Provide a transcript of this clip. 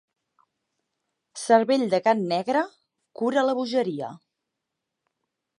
Cervell de gat negre cura la bogeria.